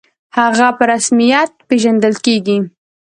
«هغه» په رسمیت پېژندل کېږي.